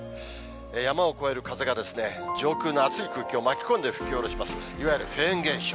山を越える風が、上空の熱い空気を巻き込んで吹き降ろします、いわゆるフェーン現象。